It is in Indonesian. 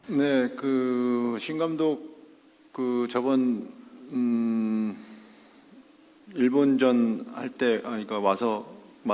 ini sudah menjadi nyata